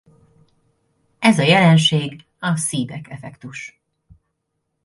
Ez a jelenség a Seebeck-effektus.